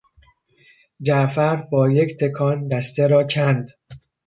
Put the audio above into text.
جعفر با یک تکان دسته را کند.